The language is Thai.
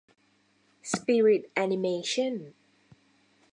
สปิริตแอนิเมชั่น